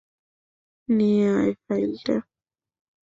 নিয়ে আয় ফাইলটা।